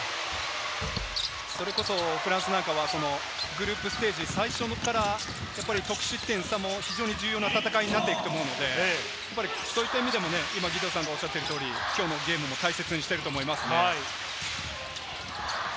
それこそフランスなんかはグループステージ、最初から得失点差も非常に重要な戦いになっていくと思うので、そういった意味でも義堂さんがおっしゃった通り、きょうのゲーム、大切にしていると思います。